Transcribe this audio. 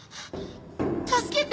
助けて！